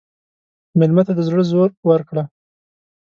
مېلمه ته د زړه زور ورکړه.